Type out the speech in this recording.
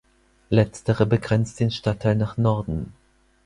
Letztere begrenzt den Stadtteil nach Norden.